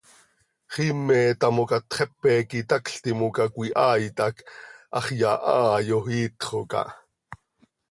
Xiime tamocat xepe quih itacl timoca cöihaait hac hax yahai oo, iitxo cah.